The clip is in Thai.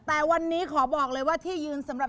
แต่วันนี้ขอบอกเลยว่าที่ยืนสำหรับ